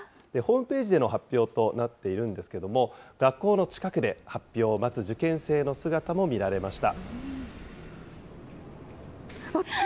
ホームページでの発表となっているんですけれども、学校の近くで発表を待つ受験生の姿も見られました。